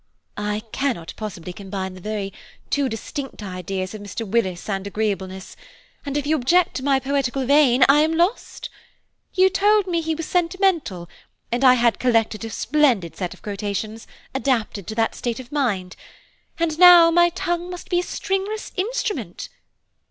"I cannot possibly combine the two very distinct ideas of Mr. Willis and agreeableness; and if you object to my poetical vein, I am lost. You told me he was sentimental, and I had collected a splendid set of quotations, adapted to that state of mind, and now 'my tongue must be a stringless instrument.'